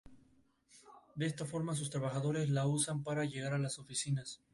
De esta forma, sus trabajadores la usan para llegar a las oficinas.